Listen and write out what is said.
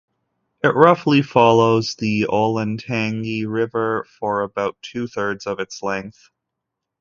It roughly follows the Olentangy River for about two-thirds of its length.